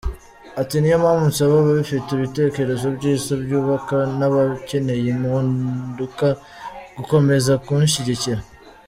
Ati’’Niyo mpamvu nsaba abafite ibitekerezo byiza byubaka n’abakeneye impinduka gukomeza kunshyigikira.